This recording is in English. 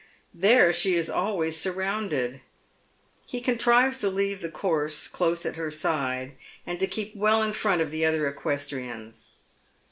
There she is always surrounded. He contrives to leave the course close at her side, and to keep well in front of the other equestrians.